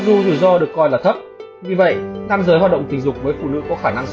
dù rủi ro được coi là thấp vì vậy nam giới hoạt động tình dục với phụ nữ có khả năng